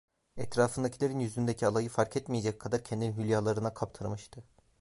Etrafındakilerin yüzündeki alayı fark etmeyecek kadar kendini hülyalarına kaptırmıştı…